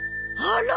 あら！